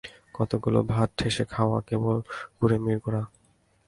কতকগুলো ভাত ঠেসে খাওয়া কেবল কুঁড়েমির গোড়া।